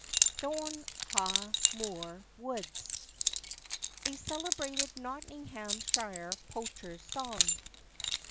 THORNEHAGH MOOR WOODS. A CELEBRATED NOTTINGHAMSHIRE POACHER'S SONG.